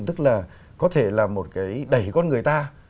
tức là có thể là một cái đẩy con người ta